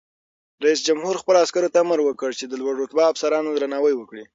رئیس جمهور خپلو عسکرو ته امر وکړ؛ د لوړ رتبه افسرانو درناوی وکړئ!